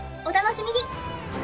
お楽しみに！